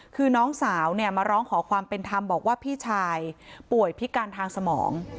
คือน้องสาวเนี่ยมาร้องขอความเป็นธรรมบอกว่าพี่ชายป่วยพิการทางสมอง